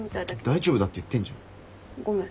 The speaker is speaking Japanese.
大丈夫だって言ってんじゃん。ごめん。